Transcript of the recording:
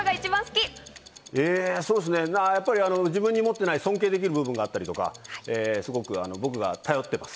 そうですね、自分が持ってない尊敬できる部分があったりとか、すごく僕が頼ってます。